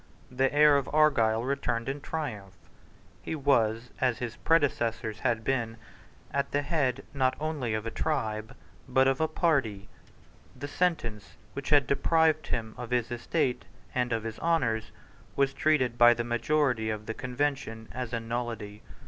The heir of Argyle returned in triumph. He was, as his predecessors had been, the head, not only of a tribe, but of a party. The sentence which had deprived him of his estate and of his honours was treated by the majority of the Convention as a nullity.